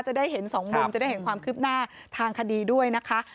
จะได้เห็นสองมุมจะได้เห็นความคืบหน้าทางคดีด้วยนะคะ